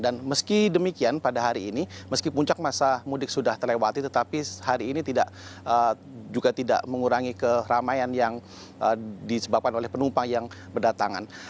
dan meski demikian pada hari ini meski puncak masa mudik sudah terlewati tetapi hari ini juga tidak mengurangi keramaian yang disebabkan oleh penumpang yang berdatangan